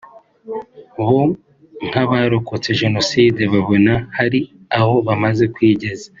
bo nk’abarokotse Jenoside babona hari aho bamaze kwigeza